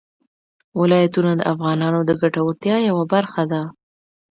ولایتونه د افغانانو د ګټورتیا یوه برخه ده.